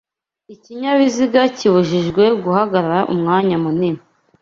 Ikinyabiziga kibujijwe guhagarara umwanya munini